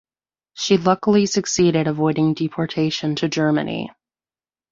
She luckily succeeded avoiding deportation to Germany.